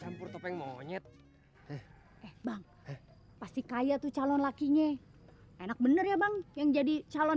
makasih ya pak rohim